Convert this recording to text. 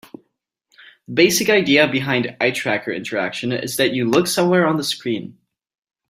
The basic idea behind eye tracker interaction is that you look somewhere on the screen.